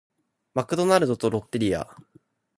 マクドナルドとロッテリア